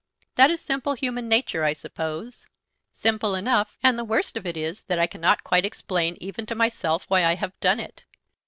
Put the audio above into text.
"That is simple human nature, I suppose." "Simple enough; and the worst of it is that I cannot quite explain even to myself why I have done it.